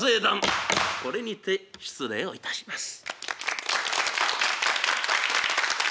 これにて失礼をいたします。